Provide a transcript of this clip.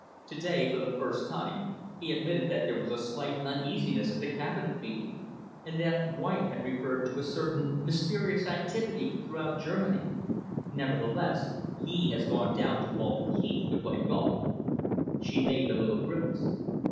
To day, for the first time, he admitted that there was a slight uneasiness at the Cabinet Meeting, and that White had referred to a certain mysterious activity throughout Germany. Nevertheless, he has gone down to Walton Heath to play golf." She made a little grimace.